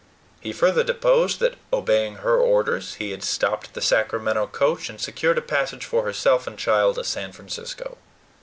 He further deposed that, obeying her orders, he had stopped the Sacramento coach, and secured a passage for herself and child to San Francisco.